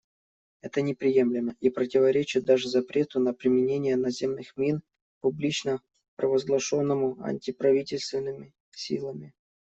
Это неприемлемо и противоречит даже запрету на применение наземных мин, публично провозглашенному антиправительственными силами.